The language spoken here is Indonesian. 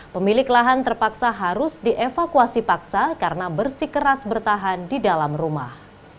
pemilik lahan terpaksa harus dievakuasi paksa karena bersikeras bertahan di dalam rumah